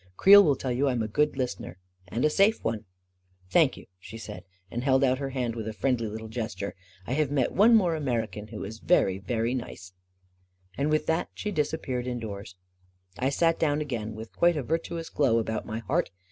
Creel will tell you I'm a good listener. And a safe one 1 " 44 Thank you," she said, and held out her hand with a friendly little gesture. 44 1 have met one more American who is very, very nice !" And with that she disappeared indoors. I sat down again with quite a virtuous glow about my heart.